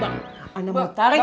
ana mau tarik